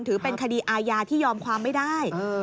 ถือเป็นคดีอาญาที่ยอมความไม่ได้